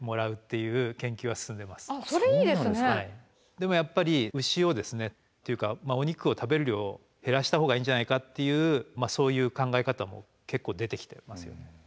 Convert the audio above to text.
でもやっぱり牛をですねというかお肉を食べる量を減らした方がいいんじゃないかっていうそういう考え方も結構出てきてますよね。